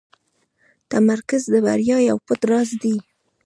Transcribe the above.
تمرکز د بریا یو پټ راز دی.